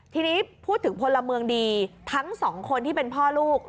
ทีนี้พูดถึงพลเมืองดีทั้งสองคนที่เป็นพ่อลูก